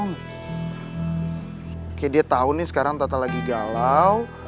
kayak dia tahu nih sekarang tata lagi galau